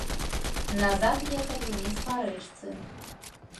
Назад ехалі ўніз па рэчцы.